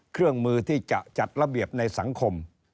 เครื่องมือที่จะจัดระเบียบในสังคม